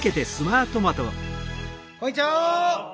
こんにちは！